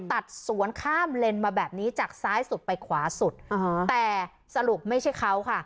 ตัดสวนข้ามเลนมาแบบนี้จากซ้ายสุดไปขวาสุดแต่สรุปไม่ใช่เขาค่ะ